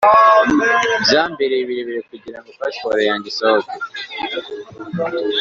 byambereye birebire kugirango passport yanjye isohoke’’